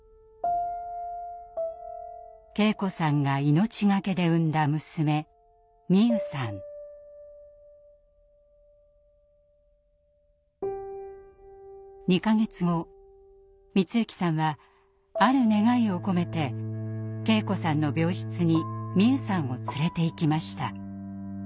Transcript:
圭子さんが命懸けで産んだ娘２か月後光行さんはある願いを込めて圭子さんの病室に美夢さんを連れていきました。